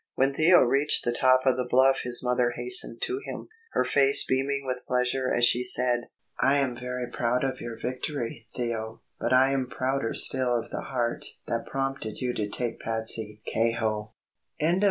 When Theo reached the top of the bluff his mother hastened to him, her face beaming with pleasure as she said,— "I am very proud of your victory, Theo, but I am prouder still of the heart that prompted you to take Patsey Kehoe."